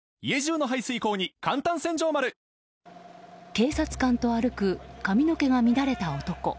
警察官と歩く髪の毛が乱れた男。